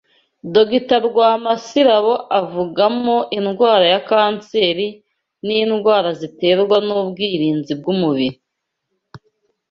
Dr Rwamasirabo avugamo indwara ya kanseri n’indwara ziterwa n’ubwirinzi bw’umubiri